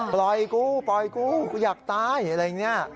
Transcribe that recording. ปล่อยกูปล่อยกูกูอยากตายอะไรอย่างนี้